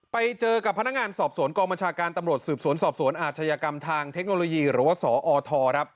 ไปเจอกับพนักงานสอบสวนกองบัญชาการตำรวจสืบสวนสอบสวนอาชญากรรมทางเทคโนโลยีหรือว่าสอท